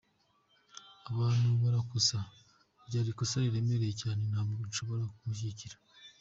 Abantu barakosa, ryari ikosa riremereye cyane ntabwo nshobora kumushyigikira.